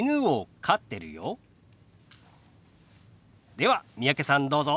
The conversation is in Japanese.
では三宅さんどうぞ！